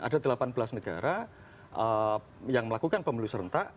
ada delapan belas negara yang melakukan pemilu serentak